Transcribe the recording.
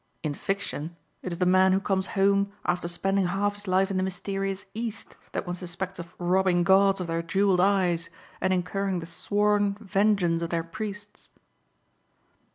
In fiction it is the man who comes home after spending half his life in the mysterious East that one suspects of robbing gods of their jeweled eyes and incurring the sworn vengeances of their priests."